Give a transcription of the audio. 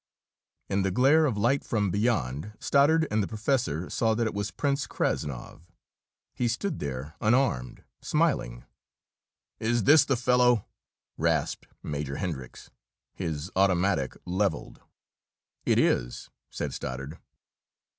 In the glare of light from beyond, Stoddard and the professor saw that it was Prince Krassnov. He stood there unarmed, smiling. "Is this the fellow?" rasped Major Hendricks, his automatic levelled. "It is," said Stoddard.